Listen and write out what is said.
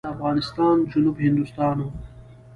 د افغانستان جنوب هندوستان و.